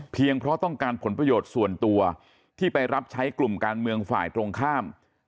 เพราะต้องการผลประโยชน์ส่วนตัวที่ไปรับใช้กลุ่มการเมืองฝ่ายตรงข้าม